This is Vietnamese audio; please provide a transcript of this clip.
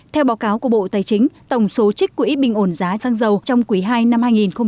theo báo cáo của bộ tài chính tổng số trích quỹ bình ổn giá xăng dầu trong quý ii năm hai nghìn hai mươi